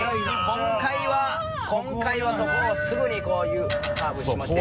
今回はそこをすぐにこうカーブしまして。